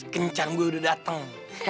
kencan gue udah dateng